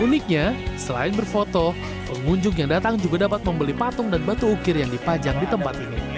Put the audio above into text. uniknya selain berfoto pengunjung yang datang juga dapat membeli patung dan batu ukir yang dipajang di tempat ini